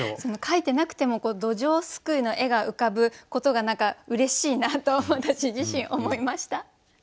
書いてなくてもどじょうすくいの絵が浮かぶことが何かうれしいなと私自身思いました。